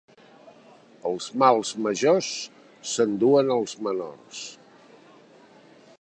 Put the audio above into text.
Els mals majors s'enduen els menors.